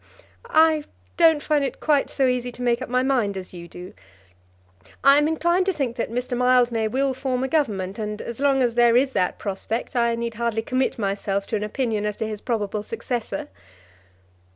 "I don't find it quite so easy to make up my mind as you do. I am inclined to think that Mr. Mildmay will form a government; and as long as there is that prospect, I need hardly commit myself to an opinion as to his probable successor."